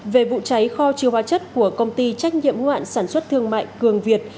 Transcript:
về vụ cháy kho chiêu hóa chất của công ty trách nhiệm ngoạn sản xuất thương mại cường việt